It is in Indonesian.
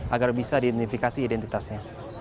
agar bisa diidentifikasi identitasnya